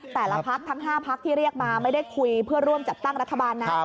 แต่ละพักทั้ง๕พักที่เรียกมาไม่ได้คุยเพื่อร่วมจัดตั้งรัฐบาลนะ